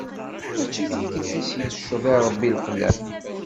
Mačči tikelt i s-yecceḍ i Rebbi leqlam.